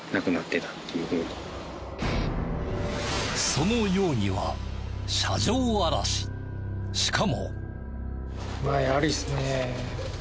その容疑はしかも。